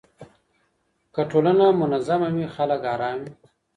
که ټولنه منظمه وي خلګ آرام وي.